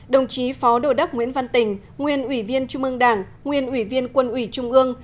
bốn đồng chí phó đô đắc nguyễn văn tình nguyên ủy viên trung mương đảng nguyên ủy viên quân ủy trung ương